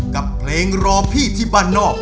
กับเพลงรอพี่ที่บ้านนอก